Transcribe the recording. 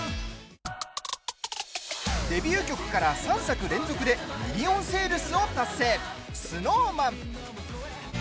デビュー曲から３作連続でミリオンセールスを達成ＳｎｏｗＭａｎ。